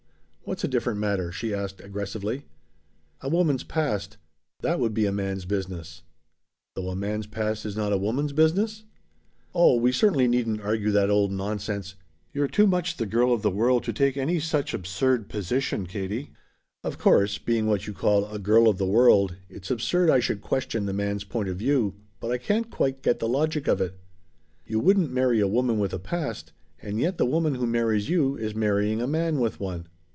"What's a different matter?" she asked aggressively. "A woman's past. That would be a man's business." "Though a man's past is not a woman's business?" "Oh, we certainly needn't argue that old nonsense. You're too much the girl of the world to take any such absurd position, Katie." "Of course, being what you call a 'girl of the world' it's absurd I should question the man's point of view, but I can't quite get the logic of it. You wouldn't marry a woman with a past, and yet the woman who marries you is marrying a man with one."